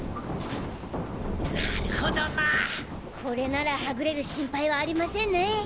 これならはぐれる心配はありませんね。